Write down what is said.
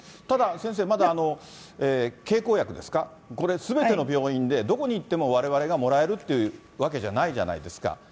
ただ、先生、まだ経口薬ですか、これ、すべての病院でどこに行っても、われわれがもらえるっていうわけじゃないじゃないですか、